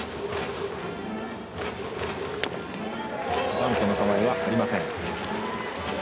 バントの構えはありません。